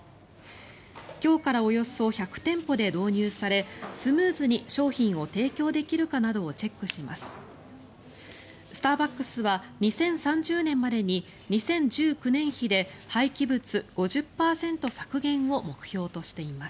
今日からおよそ１００店舗で導入されスムーズに商品を提供できるかなどをチェックします。